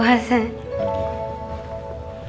kita makan di taman yuk